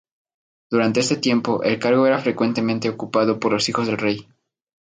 Durante este tiempo, el cargo era frecuentemente ocupado por los hijos del rey.